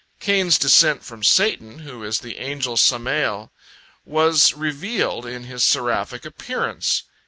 Cain's descent from Satan, who is the angel Samael, was revealed in his seraphic appearance.